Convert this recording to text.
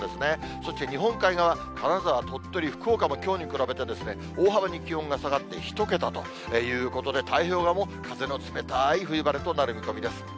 そして日本海側、金沢、鳥取、福岡もきょうに比べて、大幅に気温が下がって１桁ということで、太平洋側も風の冷たい冬晴れとなる見込みです。